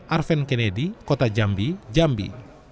arven kennedy kota jambi jambi